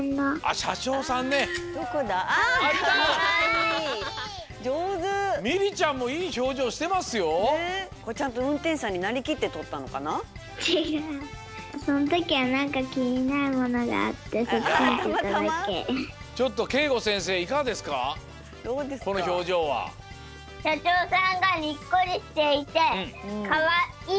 しゃしょうさんがニッコリしていてかわいい！